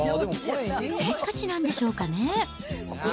せっかちなんでしょうかね。